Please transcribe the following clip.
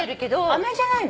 あめじゃないの？